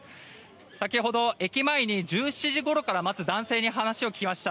先ほど、駅前に１７時ごろから待つ男性に話を聞きました。